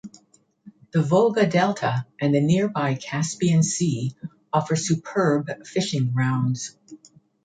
The Volga Delta and the nearby Caspian Sea offer superb fishing grounds.